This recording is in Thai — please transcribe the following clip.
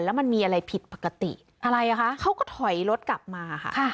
แล้วมันมีอะไรผิดปกติอะไรอ่ะคะเขาก็ถอยรถกลับมาค่ะ